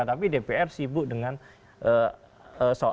tapi dpr sibuk dengan soal